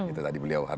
itu tadi beliau